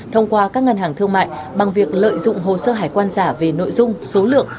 thông qua các ngân hàng thương mại bằng việc lợi dụng hồ sơ hải quan giả về nội dung số lượng